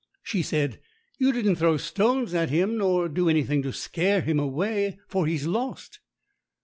She said, "You didn't throw stones at him, nor do anything to scare him away, for he's lost?"